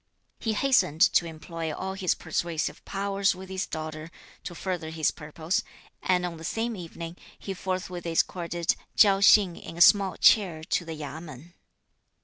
He hastened to employ all his persuasive powers with his daughter (to further his purpose), and on the same evening he forthwith escorted Chiao Hsing in a small chair to the Yamên.